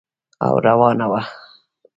او روانه وه.